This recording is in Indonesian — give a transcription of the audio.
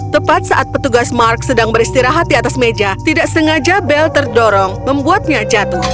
tepat saat petugas mark sedang beristirahat di atas meja tidak sengaja bel terdorong membuatnya jatuh